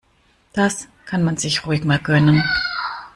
Das kann man sich ruhig mal gönnen.